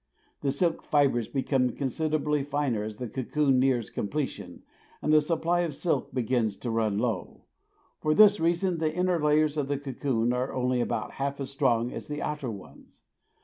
The silk fibres become considerably finer as the cocoon nears completion and the supply of silk begins to run low. For this reason the inner layers of the cocoon are only about half as strong as the outer ones.